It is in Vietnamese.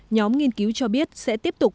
nhóm nghiên cứu cho biết sẽ tiếp tục